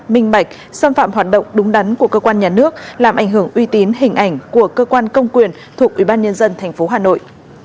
minh bạch xâm phạm hoạt động đúng đắn của cơ quan nhà nước làm ảnh hưởng uy tín hình ảnh của cơ quan công quyền thuộc ubnd tp hà nội